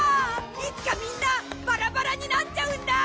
いつかみんなバラバラになっちゃうんだ！